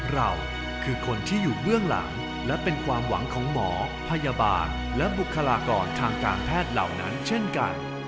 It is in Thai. เราคือคนที่อยู่เบื้องหลังและเป็นความหวังของหมอพยาบาลและบุคลากรทางการแพทย์เหล่านั้นเช่นกัน